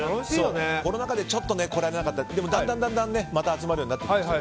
コロナ禍でちょっと来られなかったけどだんだんまた集まるようになってきました。